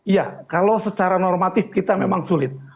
iya kalau secara normatif kita memang sulit